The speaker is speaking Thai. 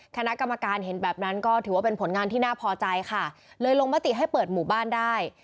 คณะกรรมการเห็นแบบนั้นก็ถือว่าเป็นผลงานที่น่าพอใจค่ะเลยลงมติให้เปิดหมู่บ้านได้